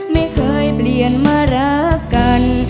ไม่เคยเปลี่ยนมารักกัน